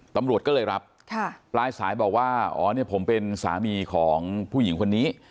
ตำรวจก็เลยรับปลายสายบอกว่าอ๋อเนี่ยผมเป็นสามีของผู้หญิงคนนี้